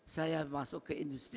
saya masuk ke industri